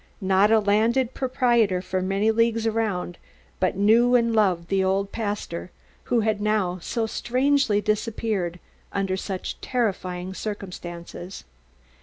Not a landed proprietor for many leagues around but knew and loved the old pastor, who had now so strangely disappeared under such terrifying circumstances.